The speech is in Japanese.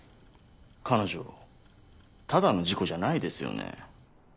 彼女ただの事故じゃないですよね？